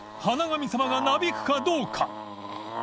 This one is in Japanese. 神様がなびくかどうか春日）あ。